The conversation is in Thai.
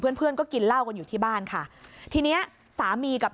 เพื่อนเพื่อนก็กินเหล้ากันอยู่ที่บ้านค่ะทีเนี้ยสามีกับ